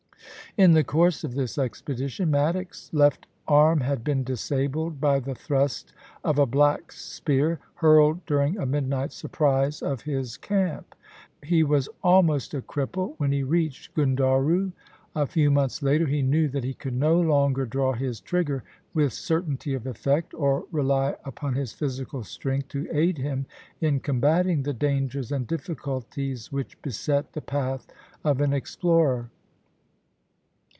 In the course of this expedition Maddox's left arm had been disabled by the thrust of a black's spear, hurled during a midnight surprise of his camp. He was almost a cripple when he reached Gundaroo. A few months later he knew that he could no longer draw his trigger with certainty of effect, or rely upon his physical strength to aid him in com bating the dangers and difficulties which beset the path of an explorer.